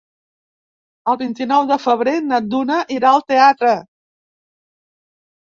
El vint-i-nou de febrer na Duna irà al teatre.